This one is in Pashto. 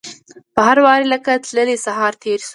په هر واري لکه تللی سهار تیر شو